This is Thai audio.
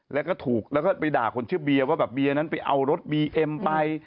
แล้วก็ถูกแล้วก็ไปด่าคนชื่อเบียร์ว่าแบบเบียร์นั้นไปเอารถบีเอ็มไป